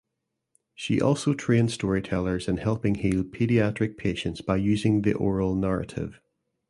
She also trained storytellers in helping heal pediatric patients by using the oral narrative.